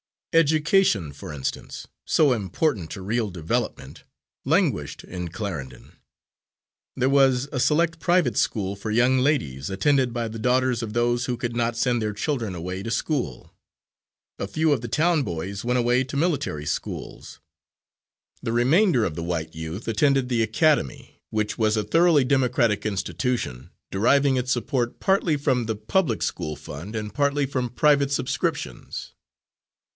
Education, for instance, so important to real development, languished in Clarendon. There was a select private school for young ladies, attended by the daughters of those who could not send their children away to school. A few of the town boys went away to military schools. The remainder of the white youth attended the academy, which was a thoroughly democratic institution, deriving its support partly from the public school fund and partly from private subscriptions.